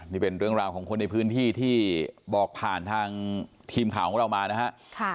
นี่เป็นเรื่องราวของคนในพื้นที่ที่บอกผ่านทางทีมข่าวของเรามานะฮะ